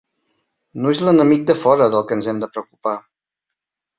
No és l'enemic de fora del que ens hem de preocupar.